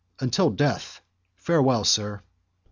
"Until death. Farewell, sir."